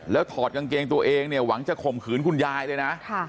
แล้วถอดกางเกงตัวเองเนี่ยหวังจะข่มขืนคุณยายเลยนะ